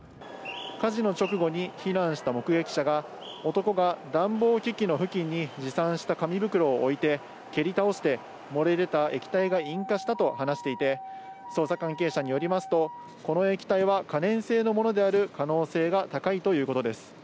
火事の直後に避難した目撃者が男が暖房機器の付近に持参した紙袋を置いて蹴り倒して漏れ出た液体が引火したと話していて、捜査関係者によりますと、この液体は可燃性のものである可能性が高いということです。